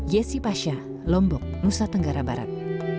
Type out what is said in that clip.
yesi pasha lombok nusa tenggara barat